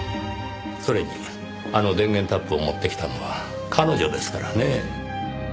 それにあの電源タップを持ってきたのは彼女ですからねぇ。